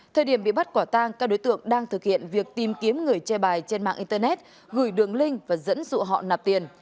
thời điểm bị bắt quả tang các đối tượng đang thực hiện việc tìm kiếm người chơi bài trên mạng internet gửi đường link và dẫn dụ họ nạp tiền